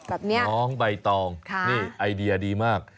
แบบนี้น้องใบตองนี่ไอเดียดีมาก